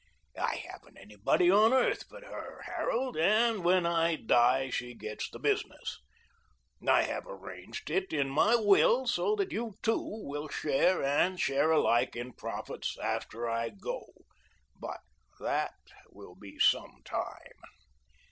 "I haven't anybody on earth but her, Harold, and when I die she gets the business. I have arranged it in my will so you two will share and share alike in profits after I go, but that will be some time.